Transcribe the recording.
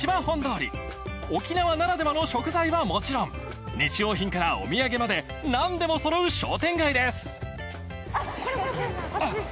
本通り沖縄ならではの食材はもちろん日用品からお土産まで何でもそろう商店街ですあっ